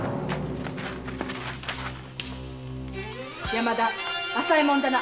山田朝右衛門だな！